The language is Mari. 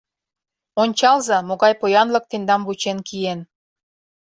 — Ончалза, могай поянлык тендам вучен киен!